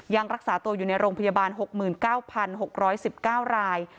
ยังรักษาตัวอยู่ในโรงพยาบาล๖๙๖๑๙ราย